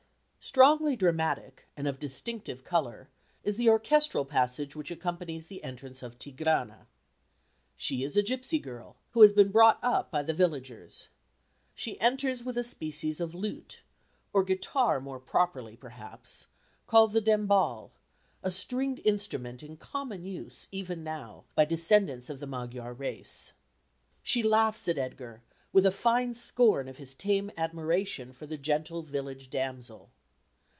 Strongly dramatic and of distinctive colour is the orchestral passage which accompanies the entrance of Tigrana. She is a gipsy girl, who has been brought up by the villagers. She enters with a species of lute or guitar, more properly perhaps called the dembal, a stringed instrument in common use even now by descendants of the Magyar race. She laughs at Edgar with a fine scorn of his tame admiration for the gentle village damsel.